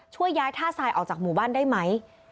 ช่วยย้ายท่าทรายออกจากหมู่บ้านได้ไหม